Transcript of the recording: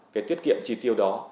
cái tiết kiệm chi tiêu đó